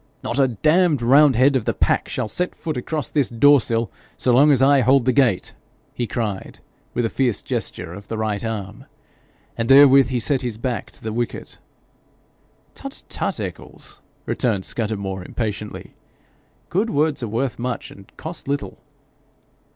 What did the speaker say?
'Not a damned roundhead of the pack shall set foot across this door sill, so long as I hold the gate,' he cried, with a fierce gesture of the right arm. And therewith he set his back to the wicket. 'Tut, tut, Eccles !' returned Scudamore impatiently. 'Good words are worth much, and cost little.'